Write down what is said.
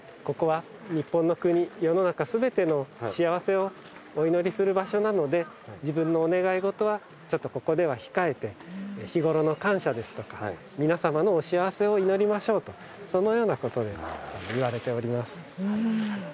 ここは日本の国世の中すべての幸せをお祈りする場所なので自分のお願いごとはちょっとここでは控えて日頃の感謝ですとか皆様のお幸せを祈りましょうとそのようなことで言われております。